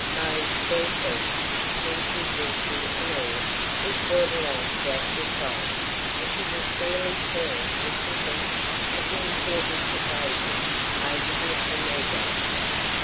Mose, bare feet, linsey woolsey and all, was brought along to act as guide and he was fairly purring with contentment at the importance it gave him over the other negroes.